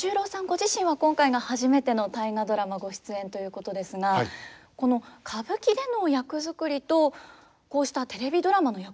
ご自身は今回が初めての「大河ドラマ」ご出演ということですがこの歌舞伎での役作りとこうしたテレビドラマの役作りというのは結構違うものなんですか？